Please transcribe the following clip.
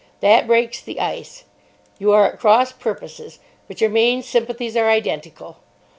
That breaks the ice. You are at cross purposes, but your main sympathies are identical.